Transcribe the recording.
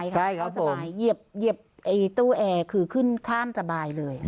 ใช่ครับเอียบตู้แอร์คือขึ้นข้ามสบายเลย